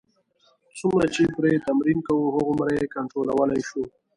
څومره چې پرې تمرین کوو، هغومره یې کنټرولولای شو.